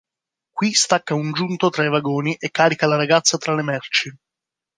Qui stacca un giunto tra i vagoni e carica la ragazza tra le merci.